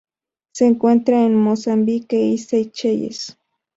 Se encuentra en Mozambique y Seychelles.